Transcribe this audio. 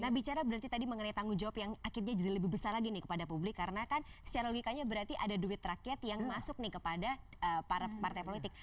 nah bicara berarti tadi mengenai tanggung jawab yang akhirnya jadi lebih besar lagi nih kepada publik karena kan secara logikanya berarti ada duit rakyat yang masuk nih kepada partai politik